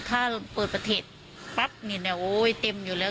ถ้าเปิดประเทศปั๊บเนี่ยโอ๊ยเต็มอยู่แล้ว